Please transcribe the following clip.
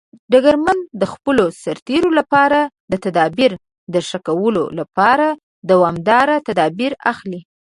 ډګرمن د خپلو سرتیرو لپاره د تدابیر د ښه کولو لپاره دوامداره تدابیر اخلي.